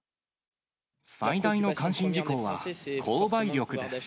最大の関心事項は購買力です。